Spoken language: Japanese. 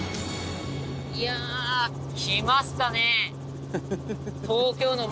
いやあ来ましたね！